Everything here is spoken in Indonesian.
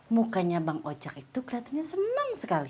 mukanya bang ojek itu keliatannya senang sekali